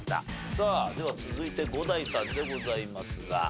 さあでは続いて伍代さんでございますが。